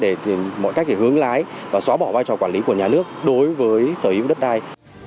để tìm mọi cách để hướng lái và xóa bỏ vai trò quản lý của nhà nước đối với sở hữu đất đai